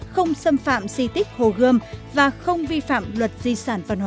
không xâm phạm di tích hồ gươm và không vi phạm luật di sản văn hóa